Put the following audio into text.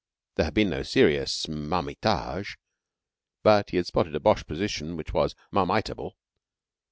There had been no serious marmitage, and he had spotted a Boche position which was _marmitable.